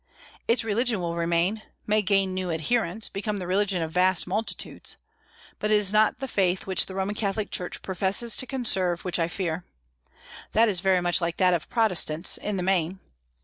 Its religion will remain, may gain new adherents, become the religion of vast multitudes. But it is not the faith which the Roman Catholic Church professes to conserve which I fear. That is very much like that of Protestants, in the main.